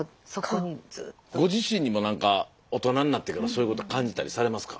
ご自身にも何か大人になってからそういうこと感じたりされますか。